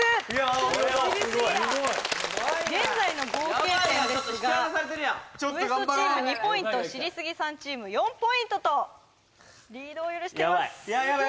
・これはすごい・すごい現在の合計点ですがＷＥＳＴチーム２ポイント知りスギさんチーム４ポイントとリードを許しています